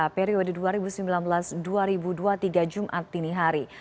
periode dua ribu sembilan belas dua ribu dua puluh tiga jumat dini hari